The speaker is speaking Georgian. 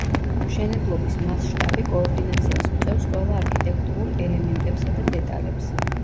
მშენებლობის მასშტაბი კოორდინაციას უწევს ყველა არქიტექტურულ ელემენტებსა და დეტალებს.